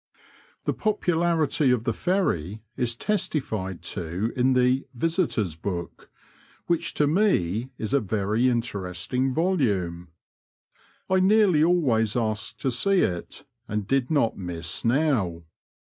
The popularity of the Ferry is testified to in the Visitors' Book," which to me is a very interesting volume. I nearly always ask to see it, and did not miss now.